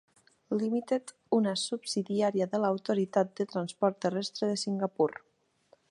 Limited, una subsidiària de l'autoritat de transport terrestre de Singapur.